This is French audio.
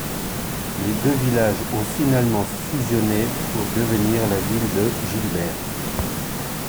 Les deux villages ont finalement fusionné pour devenir la ville de Gilbert.